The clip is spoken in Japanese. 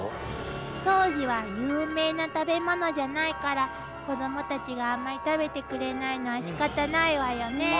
当時は有名な食べ物じゃないから子供たちがあんまり食べてくれないのはしかたないわよねぇ。